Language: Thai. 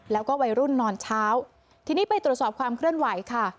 แล้วก็วัยรุ่นนอนเช้าทีนี้ไปตรวจสอบความเคลื่อนไหวค่ะ